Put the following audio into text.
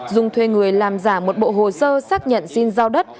dung thuê người làm giả một bộ hồ sơ xác nhận xin giao đất